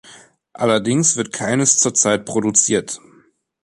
Allerdings wird keines zurzeit produziert.